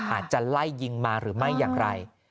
อาจจะไล่ยิงมาหรือไม่อย่างไร